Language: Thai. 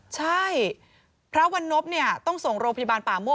ใช่พระวันนบเนี่ยต้องส่งโรงพยาบาลป่าโม่